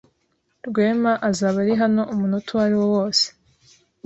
Rwema azaba ari hano umunota uwariwo wose.